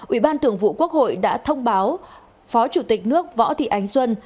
ủy ban thường vụ quốc hội đã thông báo phó chủ tịch nước võ thị ánh xuân